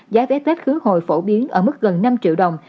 giá vé tết khứ hồi phổ biến ở mức gần năm triệu đồng